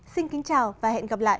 xin kính chào và hẹn gặp lại